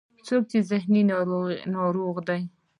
څوک ذهني ناروغ دی.